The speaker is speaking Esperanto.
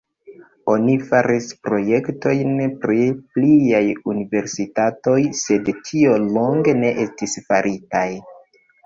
Oni faris projektojn pri pliaj universitatoj, sed tio longe ne estis faritaj.